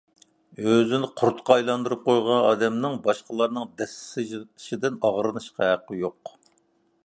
ئۆزىنى قۇرتقا ئايلاندۇرۇپ قويغان ئادەمنىڭ باشقىلارنىڭ دەسسىشىدىن ئاغرىنىشقا ھەققى يوق.